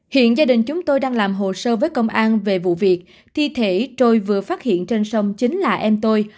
hiện gia đình chúng tôi đang làm hồ sơ với công an về vụ việc thi thể tôi vừa phát hiện trên sông chính là em tôi